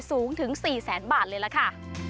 สูงถึง๔๐๐๐๐๐บาทเลยล่ะค่ะ